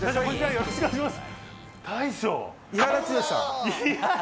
よろしくお願いします。